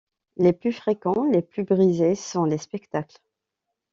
Les plus fréquents, les plus prisés sont les spectacles.